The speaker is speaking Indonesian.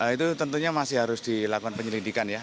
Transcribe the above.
itu tentunya masih harus dilakukan